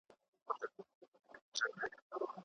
د منابعو ښه مدیریت د اقتصادي ودې تضمین دی.